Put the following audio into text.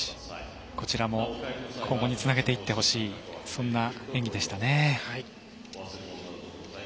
こちらも今後につなげていってほしい演技でした。